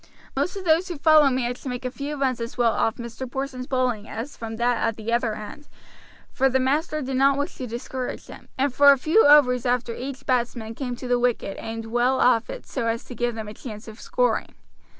Most of those who followed managed to make a few runs as well off Mr. Porson's bowling as from that at the other end; for the master did not wish to discourage them, and for a few overs after each batsman came to the wicket aimed well off it so as to give them a chance of scoring.